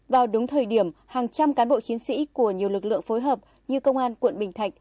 vào đúng thời điểm hàng trăm cán bộ chiến sĩ của nhiều lực lượng phối hợp như công an quận bình thạnh